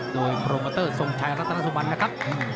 โดยโปรโมเตอร์ทรงชัยรัตนสุบันนะครับ